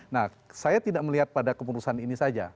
nah saya tidak melihat pada keputusan ini saja